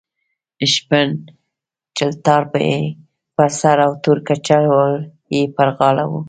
شین چلتار یې پر سر او تور کچکول یې پر غاړه و.